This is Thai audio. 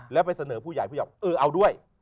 แล้วไปเสนอผู้ใหญ่ผู้ใหญ่บอกเออเอาด้วย